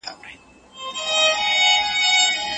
ما په دغه کتاب کي د افغاني غیرت داستانونه ولوسهمېشه.